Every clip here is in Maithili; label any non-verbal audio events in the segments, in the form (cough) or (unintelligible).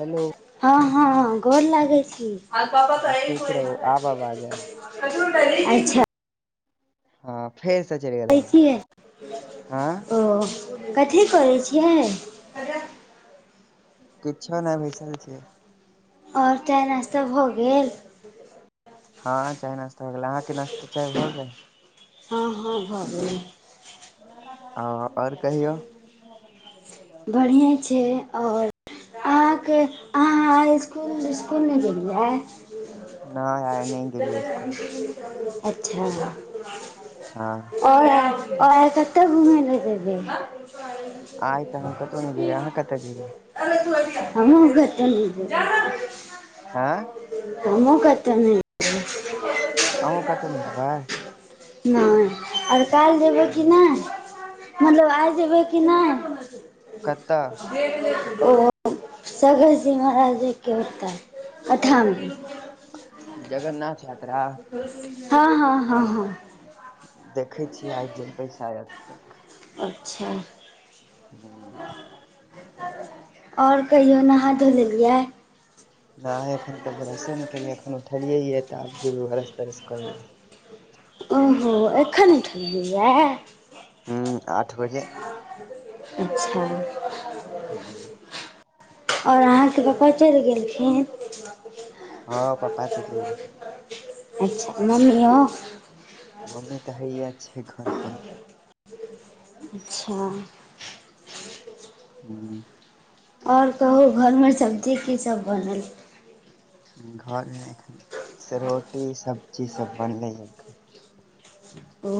हेलो हँ हँ हँ गोर लागै छी। हाँ, खुश रहू आब आवाज आयल हँ फेर से चलि गेल अच्छाै आवाज (unintelligible) हँ ओ कथी करै छियै किछो नय बैसल छियै आओर चाय नश्ता भऽ गेल हँ चाय नास्ता हो गेलै अहाँके नास्ता चाय भो गेल हँ हँ भऽ गेलै हँ आओर कहियौ (unintelligible) बढ़िए छै आओर अहाँकेँ अहाँ आय इसकुल इसकुल नय गेलियै नहि आइ नहि गेलियै स्कुल अच्छऽ हँ आओर आय आओर आर केतऽ घुमय लऽ जेबै आइ तऽ हम कतहु नय जेबै अहाँ कतऽ जेबै हमहुँ कतो नय जबै हँ हमहुँ कतो नय आहूँ कतो नय जबै नय आओर काइल जेबै कि नय मतलब आइ जेबै कि नय कतऽ ओ सगर जी महाराजक केँ ओतऽ एपठाम जगन्नाथ या हँ हँ हँ हँ देखै छियै आइ जेबै सायद ओतऽ अच्छऽ हम्म, आओर कहियो नहा धो लेलियै नैह एखन तऽ बरसो नय केलियै अखन उठलिये ये तऽ आब जेबे बरस तरस करै लऽ ओहो एखन उठलिये यऽ हुँ आठ बजे अच्छऽ हुँ आओर अहाँकेँ पपा चैल गेलखिन हँ पपा गेलै (unintelligible) अच्छऽ मम्मीयो मम्मी तऽ हैया छै घर पर अच्छऽ हुँ आओर कहू घर मे सब्जी की सब बनल घर मे एखन से रोटी सब्जी सब बनले यऽ एखन ओ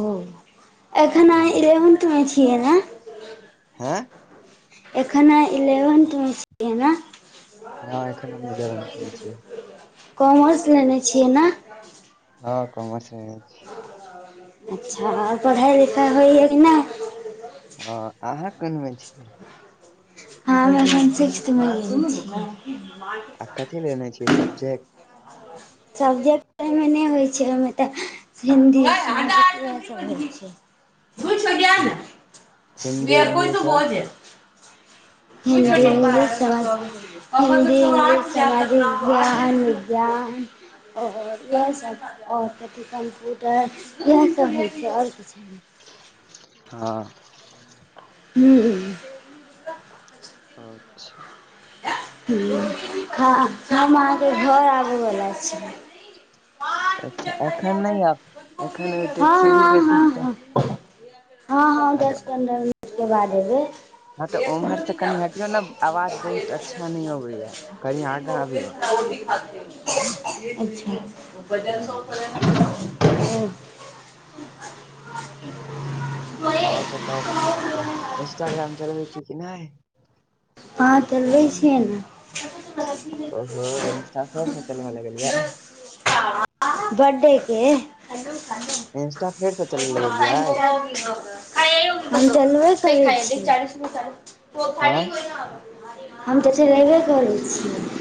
एखन अहाँ इलेवंथ मे छियै नऽ हे एखन अहाँ इलेवेन्थ मे छियै नऽ हँ एखन हम इलेवेन्थ मे छियै कॉमर्स लेने छियै नऽ हँ कॉमर्स लेने छी अच्छा आओर पढ़ाई-लिखाई होइ य कि नाय हँ अहाँ कोन मे घियै हम एखन सिक्सथ मे गेल छियै आ कथि लेने छियै सब्जेक्ट सब्जेक्ट अहिमे नय होइ छै ओहिमे तऽ हिन्दी इंगलिस वेहै सब होइ छै हिन्दी इंग्लिश आओर (unintelligible) हिन्दी (unintelligible) इंग्लिश या और इएहसभ और कथी कम्प्यूटर इएहसभ होइ छै और किछु नै हँ हं-हम्म अच्छा हं ह हम अहाँके घर आबै वला छी अच्छा एखन नहि आब एखन होते सीढ़ी त हँ-हँ-हँ-हँ हँ-हँ हँ तऽ दस-पन्द्रह मिनट के बाद एबै हँ तऽ ओम्हर से कनि हटियौ न आवाज बहुत अच्छा नै आबैया कनी आगा अबियौ (unintelligible) अच्छा हँ ओ (unintelligible) (inaudible) और बताउ इंस्टाग्राम चलबै छी कि नहि अहाँ चलबै छियै ने ओहो इंस्टा-फेसबुक चलबऽ लगलियै बड्डे के (unintelligible) इंस्टा फेरसँ चलऽ लगलियै हम चलबे करै छी हँ हम तऽ चलेबे करै छियै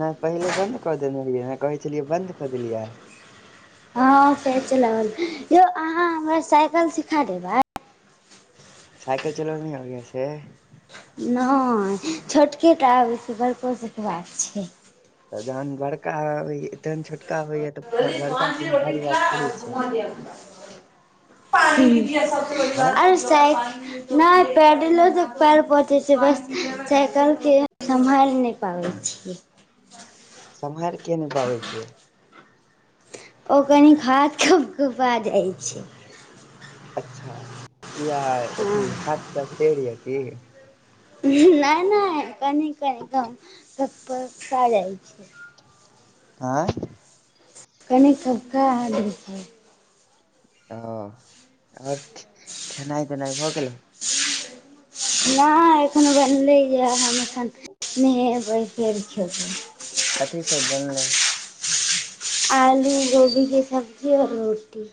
नय पहिले बन्द कऽ देने रहियै ने कहै छेलियै बन्द कऽ देलियै हँ फेर चलाबअ ल यौ अहाँ हमरा साइकल सिखा देबाय साइकल चलबअ नय आबैया से नय छोटके टा आबै छै बड़को सिखबाक छै त जहन बड़का आबैया तहन छोटका होइया तऽ बड़का कोनो भारी बात थोड़े छै (unintelligible) हँ अरे साइ नै पैडिलो तक पैर पहुंचे छै बस साइकल के समहैर नय पाबै छी सम्हारि किया नय पाबै छियै ओ कनिक हाथ कप-कपा जाइ छै अच्छा किया हँ अथि हाथ-ताथ टेढ़ हीया की नय -नय कनि-कनि क कप-पका जाइ छै आँय कनि कबका हाल होछै ओ और खेनाइ-तेनाई भऽ गेलै नय एखन बनलैयाए हम एखन नहेबै फेर खेबय कथी सब बनलै आलू गोभी के सब्जी और रोटी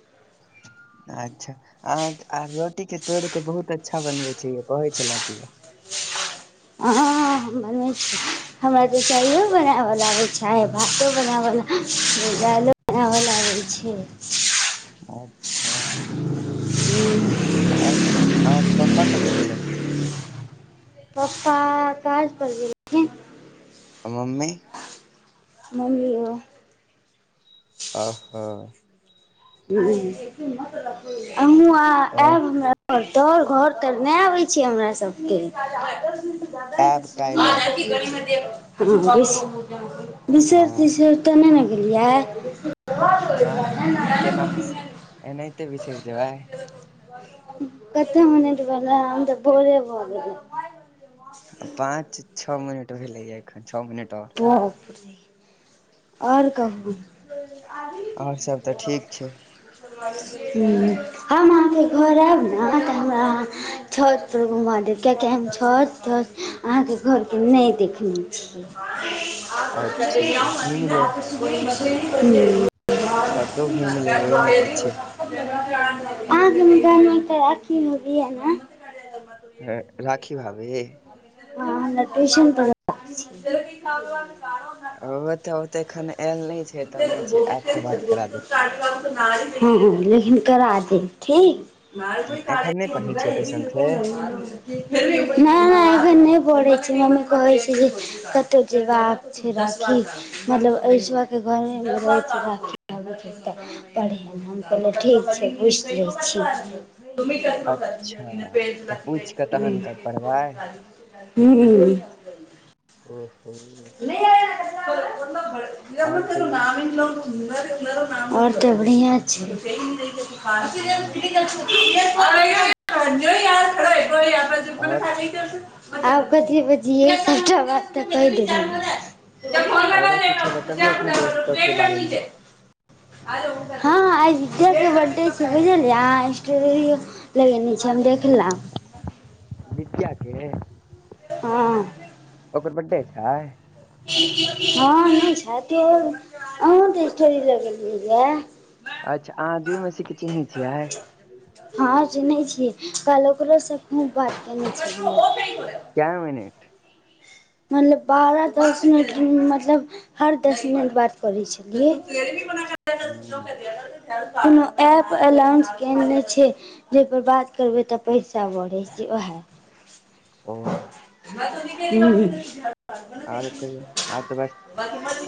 आच्छा आ आ रोटीके तोड़ि कऽ बहुत अच्छा बनबै छै य कहै छलै कियौ। आ। (unintelligible) हमरा त चााय बनावोल आबैय छै भातो बनावोल आबैय छै। दलों (unintelligible) अच्छा और। आँहा के पप्पा कतअ गेलैथ पप्पा आया काज पर गेल आ मम्मी मम्मी य ओहो अँ अहु आ आओर ऐब हमरा आओर दौर घर तर नय आबै छियै हमरा सभके आयब काल्हि आयब हँ बिसर हँ तिसर। तऽ नय ने गेलियै। नय केना बिसर एनाहिते बिसरि जेबैय। कतऽ मनद बला अ बोरेबग गेल। पाँच छओ मिनट भेलैए एखन छओ मिनट आओर। वापरे आओर कहू। आओर सब तऽ ठीक छै हुँ हम अहाँके घर आयब ने तऽ हमरा अहाँ छतपर घुमा देब किएकि हम छतपर। अहाँके घरके नय देखने छी। अच्छा तऽ घुमि लेब हुँ छतो घुमि लेब ओहिमे की छै आगमे गर तऽ राखी मौगी ये न हँ राखी भाभी। हँ हमरा ट्यूशन पढ़वै छै। ओ तऽ ओतऽ एखन आयल नय छै एतऽ नय छै आयत तऽ बात करा देब। हुँ हुँ लेकिन करा देब ठीक। एखन नय नहि पढ़ै छियै ट्यूशन से नय अखन नय बोलै छै मम्मी कहैत छै जे कतहु जेबाक छै राखी। मतलब स के घराढ़। ठीक छै पुछि लै छी। अच्छा तऽ पूछि कऽ तहन क पढ़बै हुँ हुँ ओ हो आओर कहियौ आओर तऽ बढ़ियाँ छै। ह यै (unintelligible) आओर आब कथी बजियै सबटा बात तऽ कहि देलि। आओरो किछो बतबियौ अपने दोस्त सब के बारेमे। हँ आय विद्या के वड्डे छै बुझलियै लगेने छै हम देखलौं। विद्या के। हँ। ओकर बड्डे छै। हँ नहि छ त आ तथोड़ लग। अच्छा अहाँ जीमेसी के चिन्हैत छियै आइ। हँ चिन्हैय छियै कल ओकरोसँ खूब बात केने छी। कए मिनट। मतलब बारह दस मिनट मतलब। हर दस मिनट बात करै छलियै कि। हूँ, कोनो एप ए लॉंच केनेछै। जै पर बात करबैय तऽ पैसा बढ़ैय छैय वैह ओ हू (unintelligible) आरो कहियौ आब तऽ बस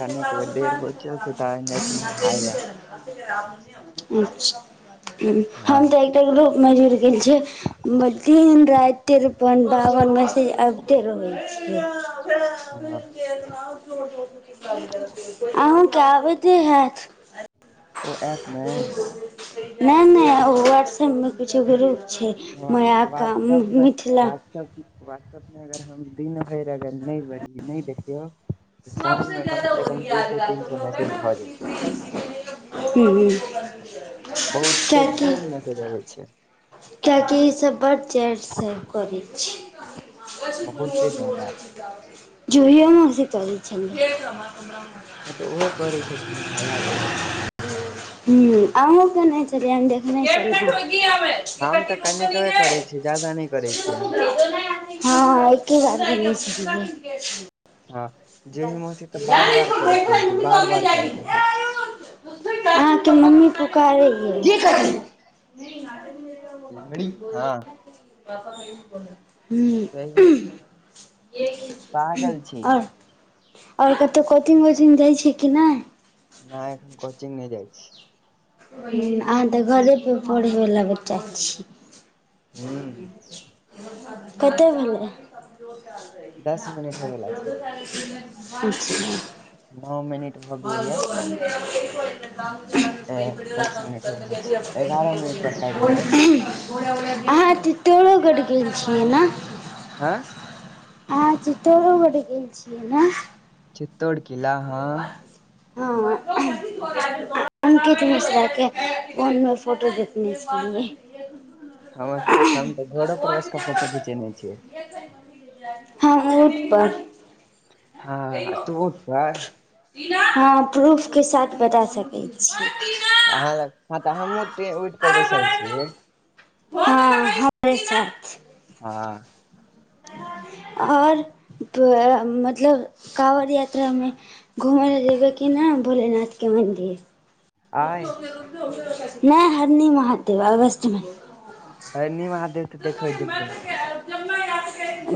कनिक देर बचल छै तहन जाइ छी नहाय लए हँ हम तऽ। गोप मे जुड़ गेल छै दिन राति तिरपन बावन माईसेज रहय छैय हँ अहूँके आबैते हैत। ओ ऐप मे नहि नहि वहाट्सप मे किछो करू। छैय माया का मिथिला सबस वाटसबमे अगर हम दिन भरि अगर नै देखियौ तऽ सबसँ साँझमे जादा कम से कम ओरियाल दू सौ काज तीन सौ काज मैसेज अछि भऽ जेतै टाइमे नै बचैये तैयमे लोक हु हु बहुते खुब मैसेज अबैय छैय। किए कि इसब बड्ड चैट सब करय छैय बहुते ज्यादा जैय छी कनिये (unintelligible) हँ तऽ ओहो करैत छथिन हमरा याद यै हु अहु केयने छलियनि हम देखने छलिए हम तऽ कनिकबे करैय छियैय ज्यादा नै करैय छियैय आब हँ एके बार केने छैय हँ जेही मौसी तऽ बार बार करैत रहै छै बार बार करैत रहै छै (unintelligible) अहाँके मम्मी पुकारैये की नगड़ी हँ कहियौ हु पागल छै ई आओर कतहु कोचिंग वोचिंग जाइ छी कि नै नै अखन कोचिंग नै जाइ छिए हू आहाँ तऽ घरे पेर पढ़ैय वला बच्चा छी। हु कते भेलैैय दस मिनट होय बला छै नओ मिनट भऽ गेलैया (unintelligible) (unintelligible) (unintelligible) ए अहा दस मिनट हो गेल छै एगारह मिनट पर काटि देबै तऽ चितौरो गढ़ गेल छियै नऽ हाय आहाँ चितौरो गढ़ गेल छियै नऽ चित्तौड़ किला हँ हं अंकित मिश्राके फोनमे फोटो देखने छलिए। ह हम तऽ घोरो पर बैस कऽ फोटो घिचेने छियैय (unintelligible) हँ तु ऊट पर हँ प्रूफके साथ बता सकैय छी अहाँ लग ह हँ तऽ हमहु ओतैय ऊट पर बैसल छीयै हँ हमरे साथ हँ आओर तु मतलब काँवड़िया यात्रामे घुमै लए जेबै कि नहि भोलेनाथके मन्दिर आइ नहि हरनी महदेव अगस्तमे हय नि मं हाथ देबे तऽ देखै जेबै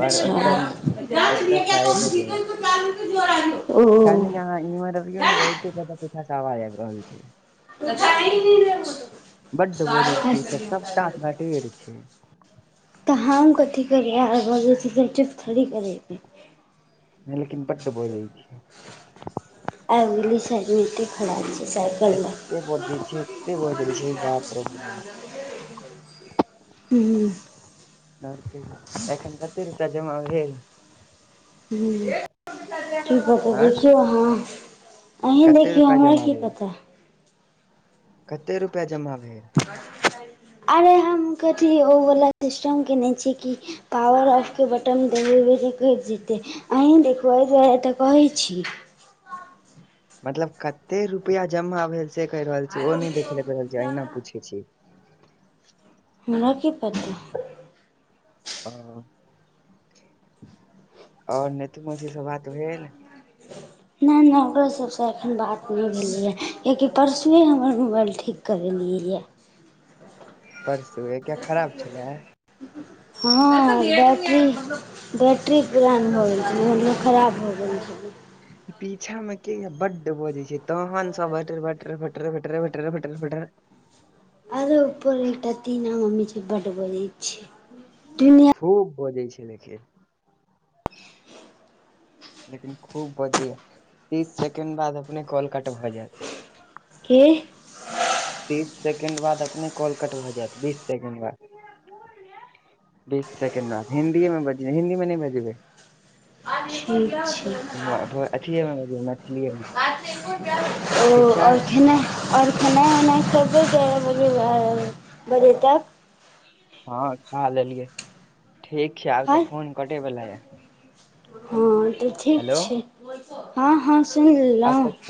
पर ओतऽ नहि ओतऽ क अहाँ इम्हर अबियौ ने बहुते जाद पछासँ आवाज आबि रहल छै बड्ड बजै छै ई सब सबटा बटेर छै (unintelligible) तऽ हम कथी करबै आर जे से चुप थोरे करैबे हे लेकिन बड्ड बजय छैय आबि गेलै सामने एतेक खेलाय छैय साइकिल लग एतेक बजैय छैय एतैय बजैय छय बाप रौ बाप हु आओ एखन कतेक रुपया जमा भेल हू ठिक कऽ क आँ देखियौ अहाँ अहीं कते देखियौ रुपआ हमरा जमा की भेल पता कते रुपैआ जमा भेल अरे हम कथी ओवला सिस्टम कने छी कि पॉवर ऑफ के बटन दबैबे कऽ केह देते अहीं देखू आहे दुआरे तऽ कहै छी मतलब कते रुपआ जमा भेल से कहि रहल छी ओ नहि देख ले रहल छी अहिना पूछे छी (unintelligible) हमरा की पता ओ आओर नीतू मौसी सऽ बात भेल नहि नहि ओकरो सबसँ एखन बात नहि भेलैए किएकि परसुए हमर मोबाइल ठीक करेलिय यऽ परसू एक किया खराब छलै हँ बैटरी बैट्ररी पुरान भऽ गेल छलै हमर मन खराब भऽ गेल छलै पीछा में के बड्ड बजै छै तोहन सब बट बटर फटर फटर फटर फटर फटर आरो ऊपर एकटा टीना मम्मी छै बड ब खूब बजै छै लेकिन लेकिन खूब बजे तीस सेकेंड बाद अपने कॉल कट भऽ जायत के तीस सेकेंड बाद अपने कॉल कट भऽ जायत बीस सेकेंड बाद बीस सेकेंड बाद हिन्दीए मे बज हिन्दी मे नहि बजेबै ठिक छै बजेबै अथिए मे बजेबै मैथिलीए मे (unintelligible) ठीक ओ छै आओर खनाय आओर खेनाइ ओनाइ सुबह बजे बजे तक हँ खा लेलियै ठीक छै आब हँ तऽ फोन कटे वला य हँ तऽ ठीक हेलो छै हँ हँ आब सुनलहुँ तऽ